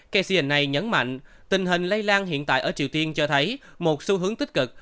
kcna nhấn mạnh tình hình lây lan hiện tại ở triều tiên cho thấy một xu hướng tích cực